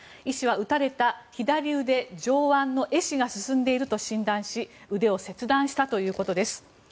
医師は撃たれた左腕上腕の壊死が進んでいると診断し腕を切断したということです。